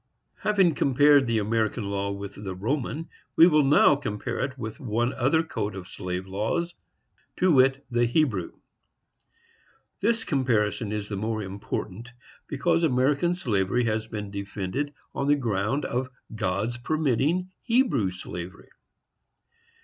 Having compared the American law with the Roman, we will now compare it with one other code of slave laws, to wit, the Hebrew. This comparison is the more important, because American slavery has been defended on the ground of God's permitting Hebrew slavery.